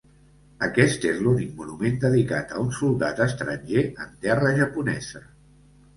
Aquest és l'únic monument dedicat a un soldat estranger en terra japonesa.